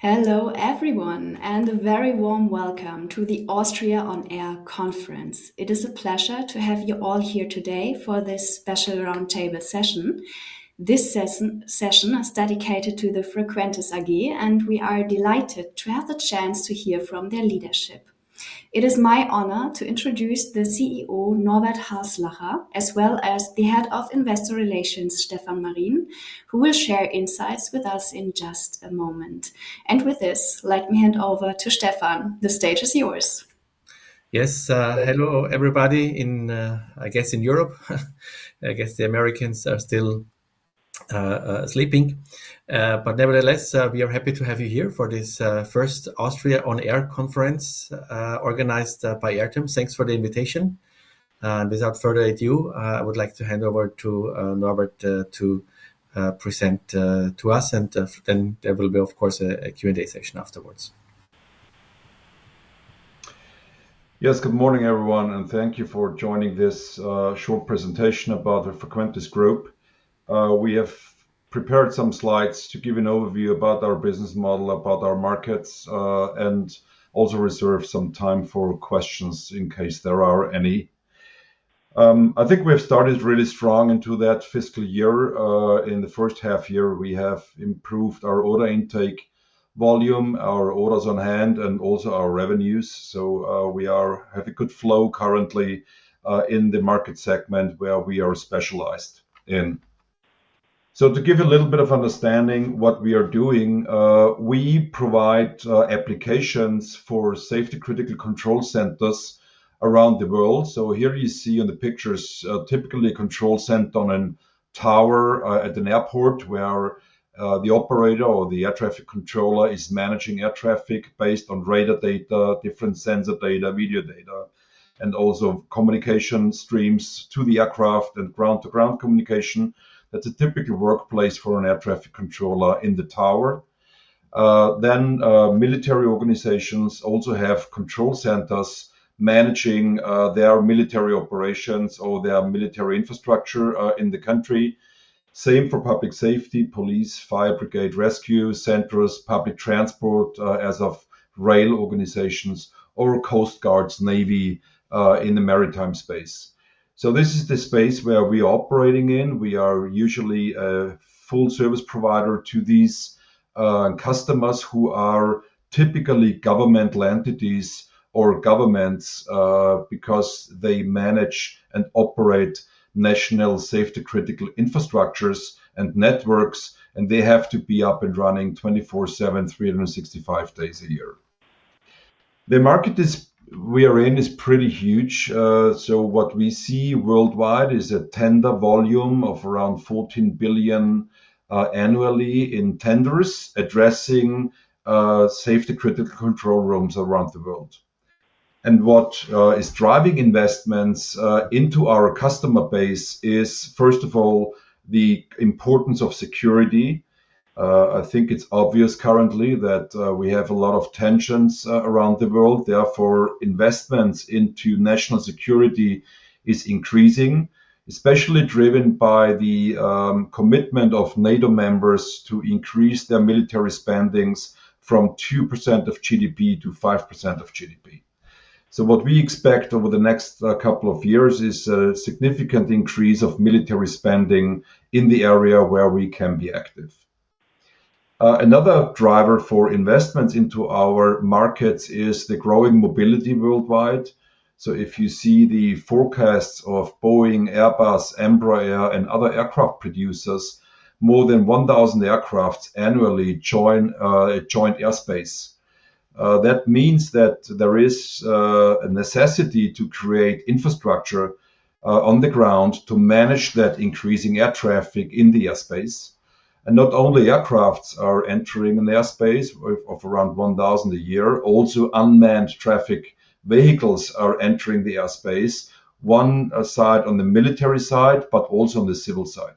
Hello everyone, and a very warm welcome to the Austria On Air Conference. It is a pleasure to have you all here today for this special roundtable session. This session is dedicated to Frequentis AG, and we are delighted to have the chance to hear from their leadership. It is my honor to introduce the CEO, Norbert Haslacher, as well as the Head of Investor Relations, Stefan Marin, who will share insights with us in just a moment. Let me hand over to Stefan. The stage is yours. Yes, hello everybody. I guess in Europe, I guess the Americans are still sleeping. Nevertheless, we are happy to have you here for this first Austria On Air Conference organized by Airtems. Thanks for the invitation. Without further ado, I would like to hand over to Norbert to present to us, and then there will be, of course, a Q&A session afterwards. Yes, good morning everyone, and thank you for joining this short presentation about the Frequentis Group. We have prepared some slides to give an overview about our business model, about our markets, and also reserve some time for questions in case there are any. I think we have started really strong into that fiscal year. In the first half year, we have improved our order intake volume, our orders on hand, and also our revenues. We have a good flow currently in the market segment where we are specialized in. To give you a little bit of understanding of what we are doing, we provide applications for safety-critical control centers around the world. Here you see in the pictures typically a control center on a tower at an airport where the operator or the air traffic controller is managing air traffic based on radar data, different sensor data, video data, and also communication streams to the aircraft and ground-to-ground communication. That's a typical workplace for an air traffic controller in the tower. Military organizations also have control centers managing their military operations or their military infrastructure in the country. Same for public safety, police, fire brigade, rescue centers, public transport, as of rail organizations, or coast guards, navy, in the maritime space. This is the space where we are operating in. We are usually a full-service provider to these customers who are typically governmental entities or governments because they manage and operate national safety-critical infrastructures and networks, and they have to be up and running 24/7, 365 days a year. The market we are in is pretty huge. What we see worldwide is a tender volume of around 14 billion annually in tenders addressing safety-critical control rooms around the world. What is driving investments into our customer base is, first of all, the importance of security. I think it's obvious currently that we have a lot of tensions around the world. Therefore, investments into national security are increasing, especially driven by the commitment of NATO members to increase their military spendings from 2% of GDP to 5% of GDP. What we expect over the next couple of years is a significant increase of military spending in the area where we can be active. Another driver for investments into our markets is the growing mobility worldwide. If you see the forecasts of Boeing, Airbus, Embraer, and other aircraft producers, more than 1,000 aircraft annually join airspace. That means that there is a necessity to create infrastructure on the ground to manage that increasing air traffic in the airspace. Not only aircraft are entering an airspace of around 1,000 a year, also unmanned traffic vehicles are entering the airspace, one side on the military side, but also on the civil side.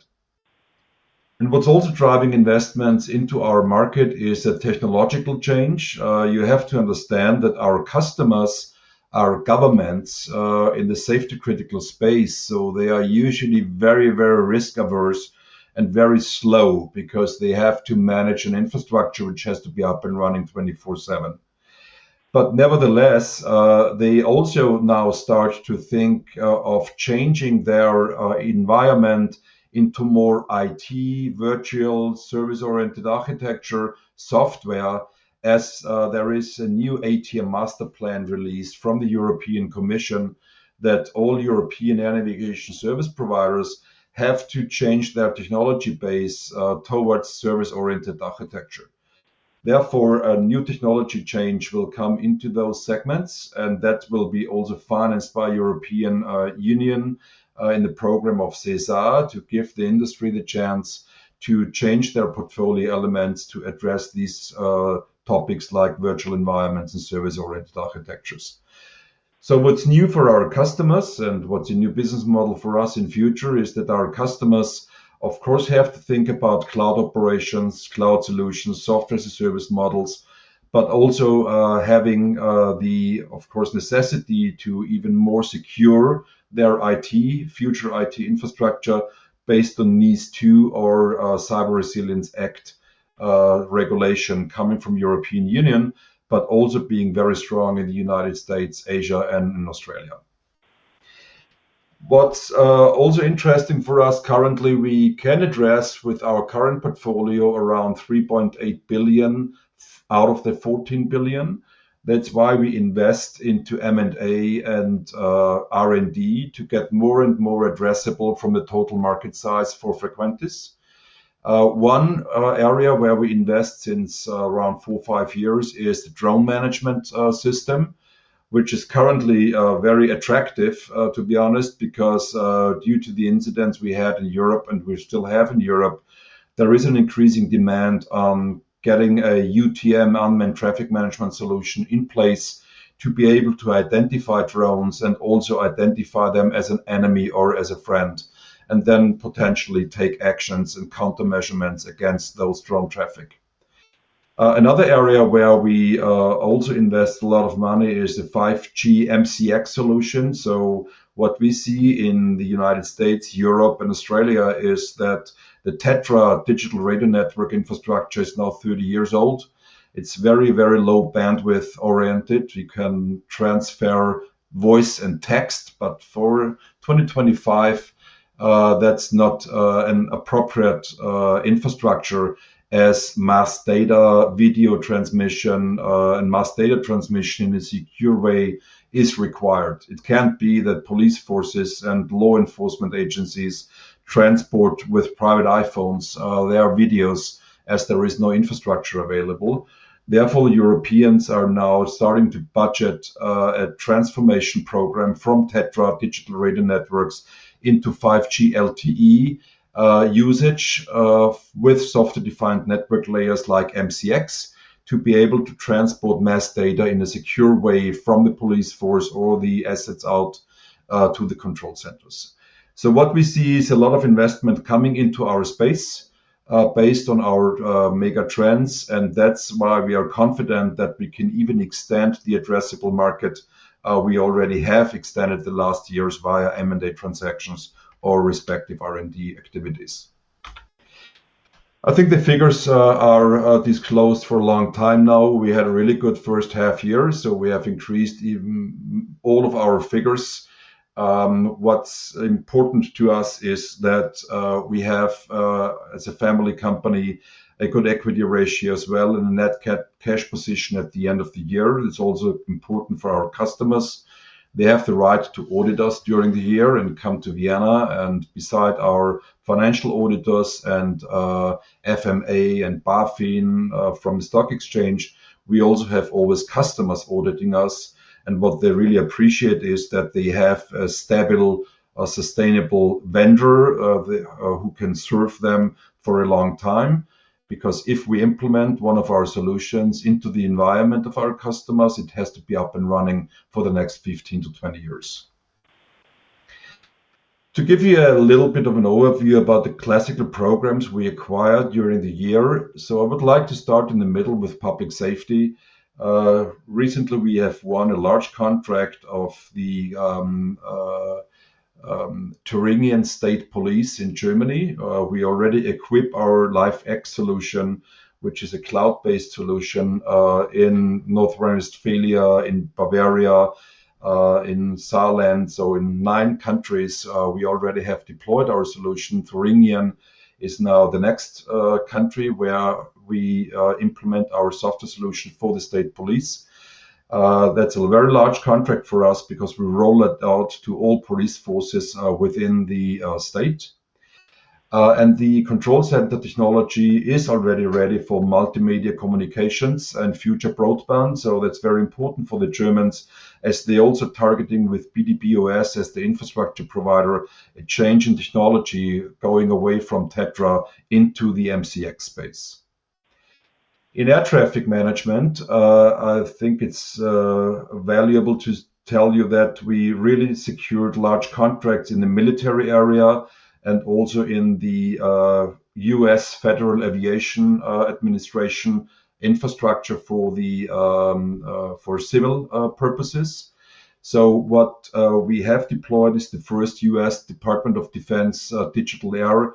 What's also driving investments into our market is a technological change. You have to understand that our customers are governments in the safety-critical space. They are usually very, very risk-averse and very slow because they have to manage an infrastructure which has to be up and running 24/7. Nevertheless, they also now start to think of changing their environment into more IT, virtual service-oriented architecture software as there is a new ATM Master Plan released from the European Commission that all European Air Navigation Service providers have to change their technology base towards service-oriented architecture. Therefore, a new technology change will come into those segments, and that will be also financed by the European Union in the program of SESAR to give the industry the chance to change their portfolio elements to address these topics like virtual environments and service-oriented architectures. What's new for our customers and what's a new business model for us in the future is that our customers, of course, have to think about cloud operations, cloud solutions, software as a service models, but also having the, of course, necessity to even more secure their IT, future IT infrastructure based on NIS 2 or Cyber Resilience Act regulation coming from the European Union, but also being very strong in the United States, Asia, and in Australia. What's also interesting for us currently, we can address with our current portfolio around 3.8 billion out of the 14 billion. That's why we invest into M&A and R&D to get more and more addressable from the total market size for Frequentis. One area where we invest since around four or five years is the drone management system, which is currently very attractive, to be honest, because due to the incidents we had in Europe and we still have in Europe, there is an increasing demand on getting a UTM, Unmanned Traffic Management system, in place to be able to identify drones and also identify them as an enemy or as a friend, and then potentially take actions and countermeasure against those drone traffic. Another area where we also invest a lot of money is the 5G MCX solution. What we see in the United States, Europe, and Australia is that the TETRA digital radio network infrastructure is now 30 years old. It's very, very low bandwidth oriented. You can transfer voice and text, but for 2025, that's not an appropriate infrastructure as mass data video transmission and mass data transmission in a secure way is required. It can't be that police forces and law enforcement agencies transport with private iPhones their videos as there is no infrastructure available. Therefore, Europeans are now starting to budget a transformation program from TETRA digital radio networks into 5G LTE usage with software-defined network layers like MCX to be able to transport mass data in a secure way from the police force or the assets out to the control centers. What we see is a lot of investment coming into our space based on our mega trends, and that's why we are confident that we can even extend the addressable market. We already have extended the last years via M&A transactions or respective R&D activities. I think the figures are disclosed for a long time now. We had a really good first half year, so we have increased even all of our figures. What's important to us is that we have, as a family company, a good equity ratio as well and a net cash position at the end of the year. It's also important for our customers. They have the right to audit us during the year and come to Vienna and beside our financial auditors and FMA and BaFin from the stock exchange, we also have always customers auditing us. What they really appreciate is that they have a stable, sustainable vendor who can serve them for a long time because if we implement one of our solutions into the environment of our customers, it has to be up and running for the next 15-20 years. To give you a little bit of an overview about the classical programs we acquired during the year, I would like to start in the middle with public safety. Recently, we have won a large contract of the Thuringian State Police in Germany. We already equip our LifeX platform, which is a cloud-based solution, in Northwest Wales, in Bavaria, in Saarland, so in nine countries, we already have deployed our solution. Thuringian is now the next country where we implement our software solution for the state police. That's a very large contract for us because we roll it out to all police forces within the state. The control center technology is already ready for multimedia communications and future broadband. That's very important for the Germans as they're also targeting, with BDBOS as the infrastructure provider, a change in technology going away from TETRA into the MCX space. In air traffic management, I think it's valuable to tell you that we really secured large contracts in the military area and also in the U.S. Federal Aviation Administration infrastructure for civil purposes. We have deployed the first U.S. Department of Defense digital air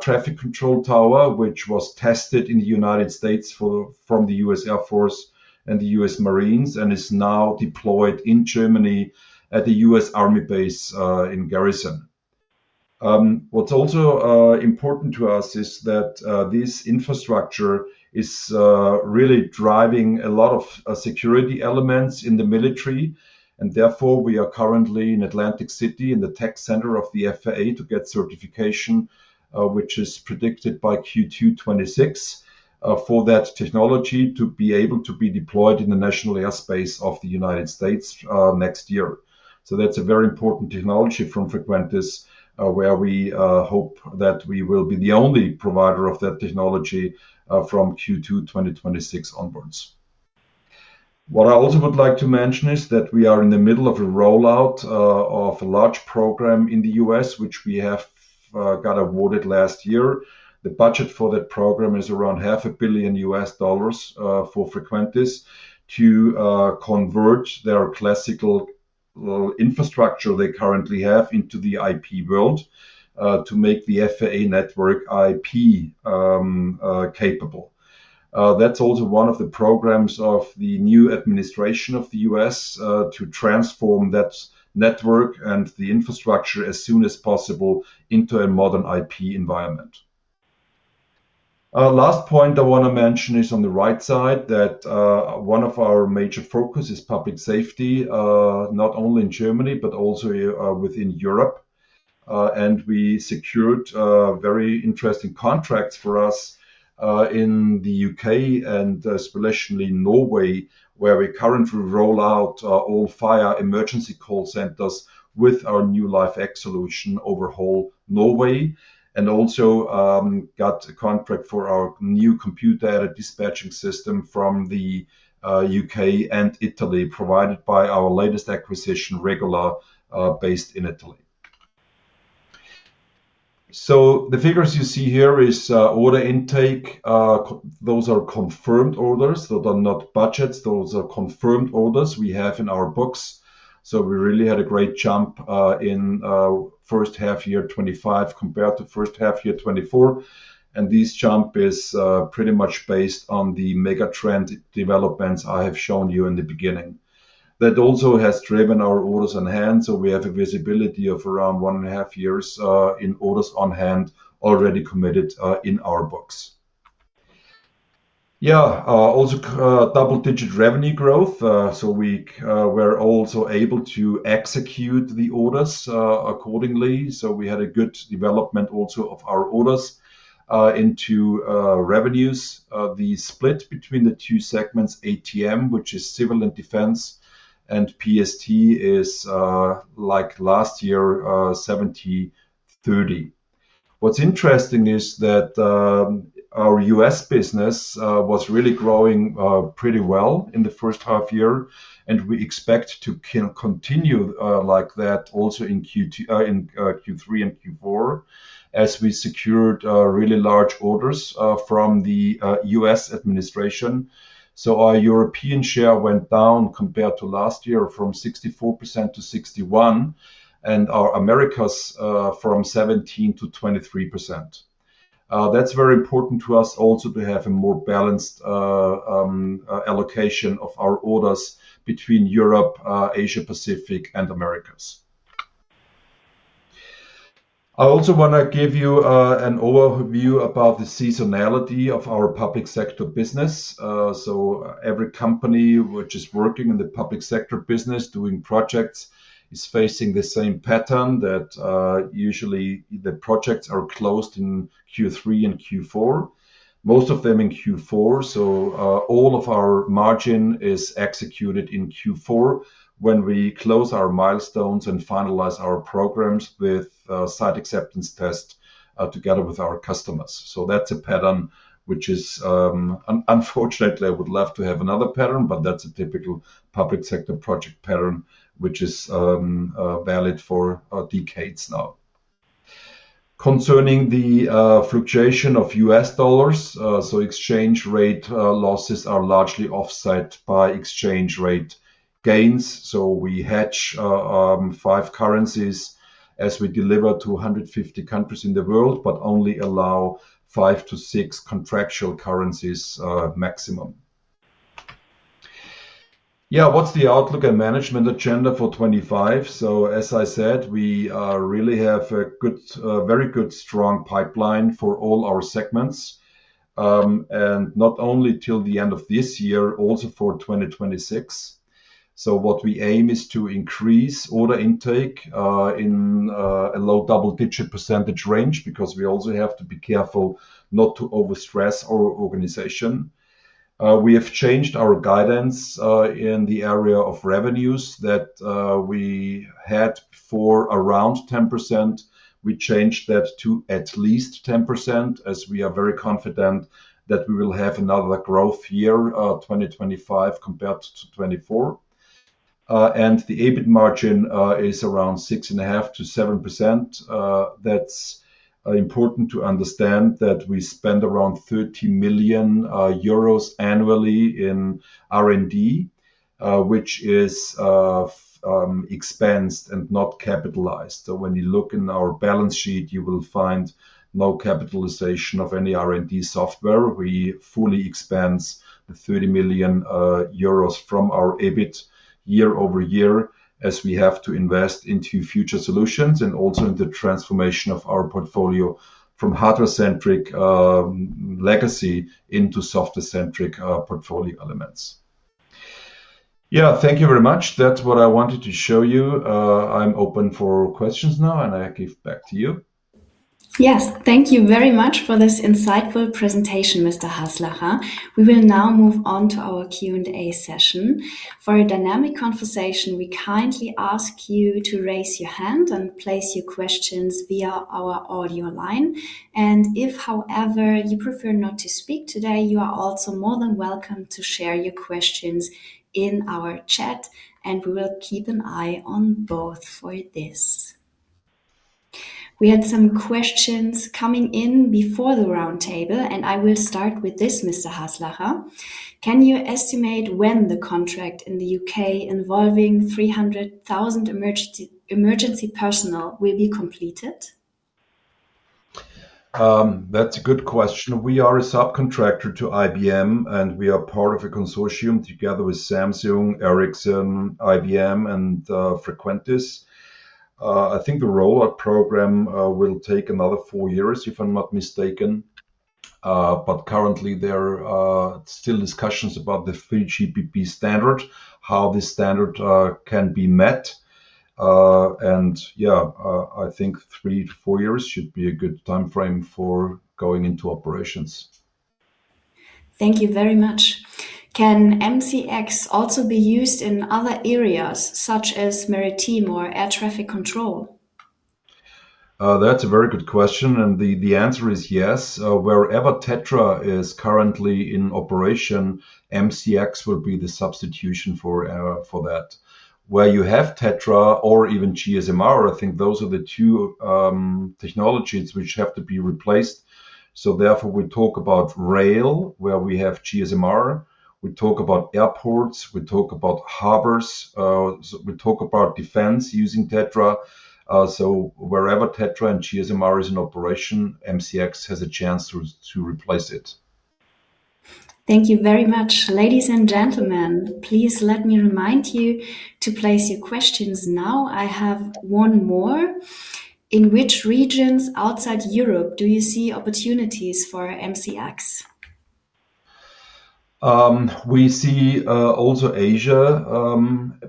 traffic control tower, which was tested in the United States from the U.S. Air Force and the U.S. Marines and is now deployed in Germany at the U.S. Army base in Garrison. What's also important to us is that this infrastructure is really driving a lot of security elements in the military. We are currently in Atlantic City in the tech center of the FAA to get certification, which is predicted by Q2 2026, for that technology to be able to be deployed in the national airspace of the United States next year. That's a very important technology from Frequentis, where we hope that we will be the only provider of that technology from Q2 2026 onwards. I also would like to mention that we are in the middle of a rollout of a large program in the U.S., which we have got awarded last year. The budget for that program is around EUR 500 million for Frequentis to convert their classical infrastructure they currently have into the IP world to make the FAA network IP capable. That's also one of the programs of the new administration of the U.S. to transform that network and the infrastructure as soon as possible into a modern IP environment. Last point I want to mention is on the right side that one of our major focuses is public safety, not only in Germany, but also within Europe. We secured very interesting contracts for us in the U.K. and especially Norway, where we currently roll out all fire emergency call centers with our new LifeX platform over whole Norway. We also got a contract for our new computer dispatching system from the U.K. and Italy, provided by our latest acquisition, Regular, based in Italy. The figures you see here are order intake. Those are confirmed orders. Those are not budgets. Those are confirmed orders we have in our books. We really had a great jump in the first half year 2025 compared to the first half year 2024. This jump is pretty much based on the mega trend developments I have shown you in the beginning. That also has driven our orders on hand, so we have a visibility of around one and a half years in orders on hand already committed in our books. We also had double-digit revenue growth. We were also able to execute the orders accordingly. We had a good development also of our orders into revenues. The split between the two segments, ATM, which is civil and defense, and PST is like last year, 70/30. What's interesting is that our U.S. business was really growing pretty well in the first half year, and we expect to continue like that also in Q3 and Q4 as we secured really large orders from the U.S. administration. Our European share went down compared to last year from 64%-61%, and our Americas from 17%-23%. That's very important to us also to have a more balanced allocation of our orders between Europe, Asia-Pacific, and Americas. I also want to give you an overview about the seasonality of our public sector business. Every company which is working in the public sector business doing projects is facing the same pattern that usually the projects are closed in Q3 and Q4, most of them in Q4. All of our margin is executed in Q4 when we close our milestones and finalize our programs with site acceptance tests together with our customers. That's a pattern which is, unfortunately, I would love to have another pattern, but that's a typical public sector project pattern which is valid for decades now. Concerning the fluctuation of U.S. dollars, exchange rate losses are largely offset by exchange rate gains. We hedge five currencies as we deliver to 150 countries in the world, but only allow 5-6 contractual currencies maximum. What's the outlook and management agenda for 2025? As I said, we really have a very good, strong pipeline for all our segments, and not only till the end of this year, also for 2026. What we aim is to increase order intake in a low double-digit percent range because we also have to be careful not to overstress our organization. We have changed our guidance in the area of revenues that we had for around 10%. We changed that to at least 10% as we are very confident that we will have another growth year 2025 compared to '24. The EBIT margin is around 6.5%-7%. It's important to understand that we spend around 30 million euros annually in R&D, which is expensed and not capitalized. When you look in our balance sheet, you will find no capitalization of any R&D software. We fully expense the 30 million euros from our EBIT year over year as we have to invest into future solutions and also in the transformation of our portfolio from hardware-centric legacy into software-centric portfolio elements. Thank you very much. That's what I wanted to show you. I'm open for questions now, and I give back to you. Yes, thank you very much for this insightful presentation, Mr. Haslacher. We will now move on to our Q&A session. For a dynamic conversation, we kindly ask you to raise your hand and place your questions via our audio line. If, however, you prefer not to speak today, you are also more than welcome to share your questions in our chat, and we will keep an eye on both for this. We had some questions coming in before the roundtable, and I will start with this, Mr. Haslacher. Can you estimate when the contract in the U.K. involving 300,000 emergency personnel will be completed? That's a good question. We are a subcontractor to IBM, and we are part of a consortium together with Samsung, Ericsson, IBM, and Frequentis. I think the robot program will take another four years, if I'm not mistaken. Currently, there are still discussions about the 3GPP standard, how this standard can be met. I think three to four years should be a good timeframe for going into operations. Thank you very much. Can MCX also be used in other areas such as maritime or air traffic control? That's a very good question, and the answer is yes. Wherever TETRA is currently in operation, MCX will be the substitution for that. Where you have TETRA or even GSM-R, I think those are the two technologies which have to be replaced. Therefore, we talk about rail, where we have GSM-R. We talk about airports, harbors, and defense using TETRA. Wherever TETRA and GSM-R is in operation, MCX has a chance to replace it. Thank you very much. Ladies and gentlemen, please let me remind you to place your questions now. I have one more. In which regions outside Europe do you see opportunities for MCX? We see also Asia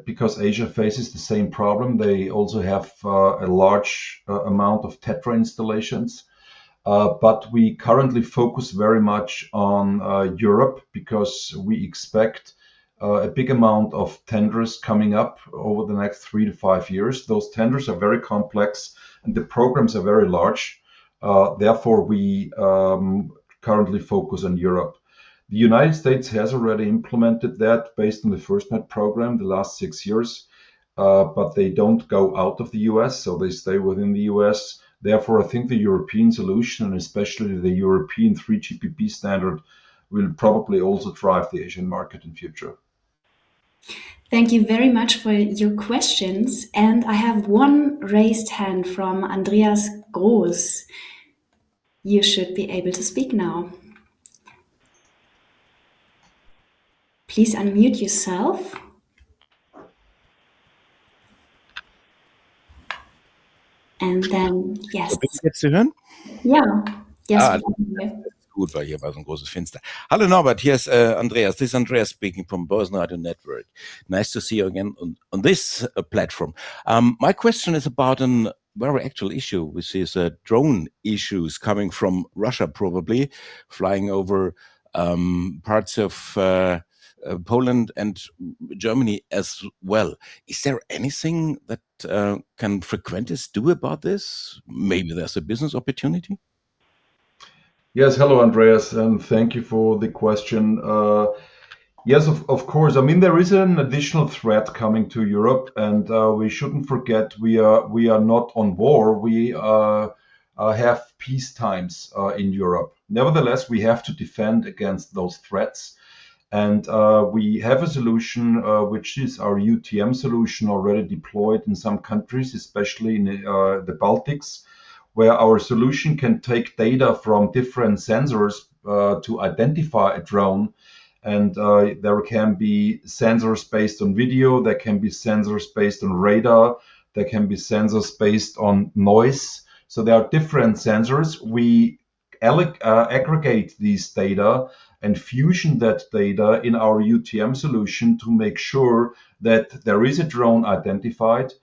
because Asia faces the same problem. They also have a large amount of TETRA installations. We currently focus very much on Europe because we expect a big amount of tenders coming up over the next three to five years. Those tenders are very complex, and the programs are very large. Therefore, we currently focus on Europe. The United States has already implemented that based on the FirstNet program the last six years, but they don't go out of the U.S., so they stay within the U.S. I think the European solution, and especially the European 3GPP standard, will probably also drive the Asian market in the future. Thank you very much for your questions. I have one raised hand from Andreas Groß. You should be able to speak now. Please unmute yourself. Yes. I can hear you still. Yes, I can hear you. Because here was such a big window. Hello Norbert, this is Andreas. This is Andreas speaking from Bosnia and Herzegovina. Nice to see you again on this platform. My question is about a very actual issue, which is drone issues coming from Russia, probably flying over parts of Poland and Germany as well. Is there anything that can Frequentis do about this? Maybe there's a business opportunity. Yes, hello Andreas, and thank you for the question. Yes, of course. I mean, there is an additional threat coming to Europe, and we shouldn't forget we are not on war. We have peace times in Europe. Nevertheless, we have to defend against those threats. We have a solution, which is our UTM solution already deployed in some countries, especially in the Baltics, where our solution can take data from different sensors to identify a drone. There can be sensors based on video. There can be sensors based on radar. There can be sensors based on noise. There are different sensors. We aggregate these data and fuse that data in our UTM solution to make sure that there is a drone identified.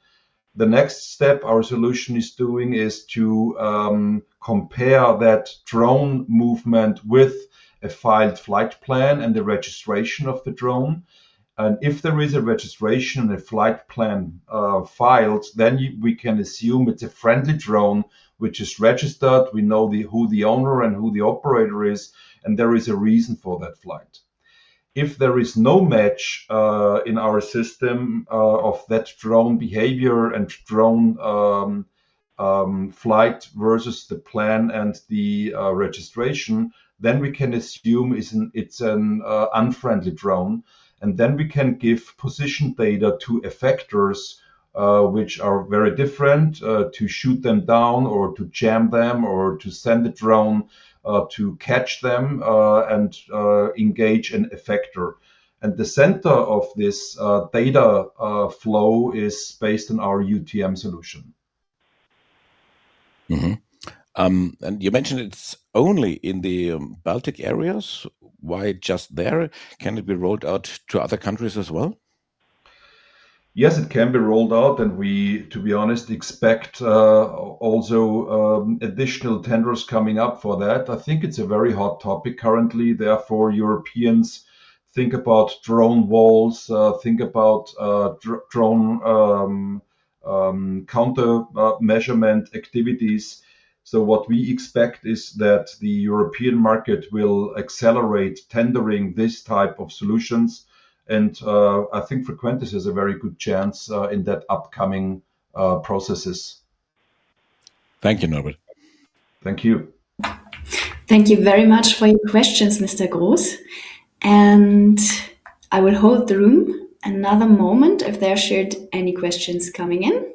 The next step our solution is doing is to compare that drone movement with a filed flight plan and the registration of the drone. If there is a registration and a flight plan filed, then we can assume it's a friendly drone which is registered. We know who the owner and who the operator is, and there is a reason for that flight. If there is no match in our system of that drone behavior and drone flight versus the plan and the registration, we can assume it's an unfriendly drone. We can give position data to effectors, which are very different, to shoot them down or to jam them or to send the drone to catch them and engage an effector. The center of this data flow is based on our UTM solution. You mentioned it's only in the Baltic areas. Why just there? Can it be rolled out to other countries as well? Yes, it can be rolled out. To be honest, we expect also additional tenders coming up for that. I think it's a very hot topic currently. Europeans think about drone walls, think about drone countermeasurement activities. We expect the European market will accelerate tendering this type of solutions. I think Frequentis has a very good chance in that upcoming processes. Thank you, Norbert. Thank you. Thank you very much for your questions, Mr. Gross. I will hold the room another moment if there are any questions coming in.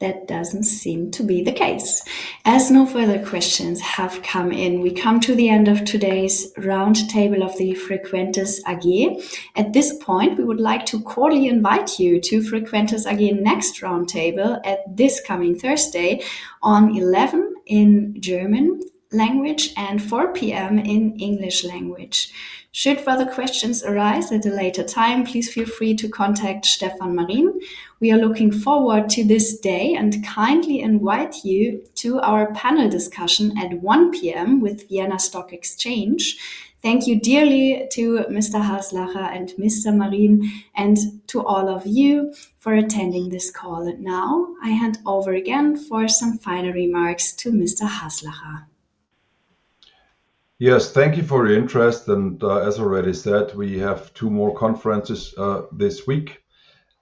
That doesn't seem to be the case. As no further questions have come in, we come to the end of today's roundtable of Frequentis AG. At this point, we would like to cordially invite you to Frequentis AG's next roundtable this coming Thursday at 11:00 A.M. in German language and 4:00 P.M. in English language. Should further questions arise at a later time, please feel free to contact Stefan Marin. We are looking forward to this day and kindly invite you to our panel discussion at 1:00 P.M. with Vienna Stock Exchange. Thank you dearly to Mr. Haslacher and Mr. Marin and to all of you for attending this call. Now, I hand over again for some final remarks to Mr. Haslacher. Yes, thank you for your interest. As already said, we have two more conferences this week.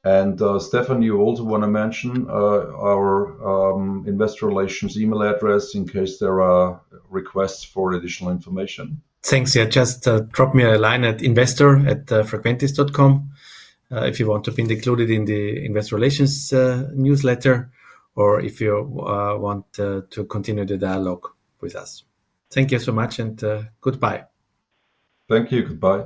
Stefan, you also want to mention our Investor Relations email address in case there are requests for additional information. Thanks. Yeah, just drop me a line at investor@frequentis.com if you want to be included in the investor relations newsletter or if you want to continue the dialogue with us. Thank you so much and goodbye. Thank you. Goodbye.